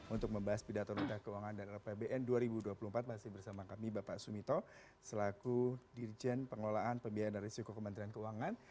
untuk membahas pidato rute keuangan dan apbn dua ribu dua puluh empat masih bersama kami bapak sumito selaku dirjen pengelolaan pembiayaan dan risiko kementerian keuangan